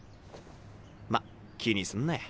まっ気にすんなや。